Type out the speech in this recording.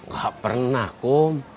gak pernah kum